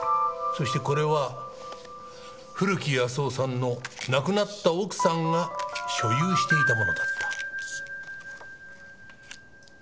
そしてこれは古木保男さんの亡くなった奥さんが所有していたものだった。